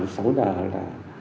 sáu giờ là